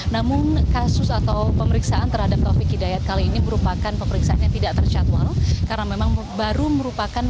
namun kasus atau pemeriksaan terhadap taufik hidayat kali ini merupakan pemeriksaan yang tidak terjadwal karena memang baru merupakan